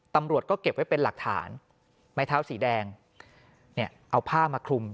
ตำรวจก็เก็บไว้เป็นหลักฐานไม้เท้าสีแดงเนี่ยเอาผ้ามาคลุม